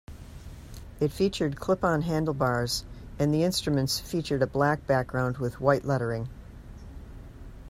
It featured clip-on handlebars and the instruments featured a black background with white lettering.